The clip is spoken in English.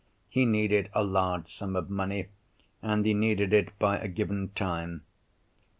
He needed a large sum of money; and he needed it by a given time.